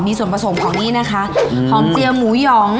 มีส่วนผสมของนี่นะคะหอมเจียวหมูหยอง